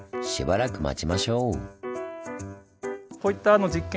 しばらく待ちましょう。